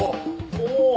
お。